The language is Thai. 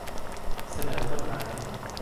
เสนอกฎหมาย